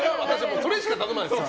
それしか頼まないですから！